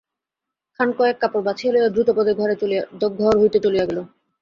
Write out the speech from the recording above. খানকয়েক কাপড় বাছিয়া লইয়া দ্রুতপদে ঘর হইতে চলিয়া গেল।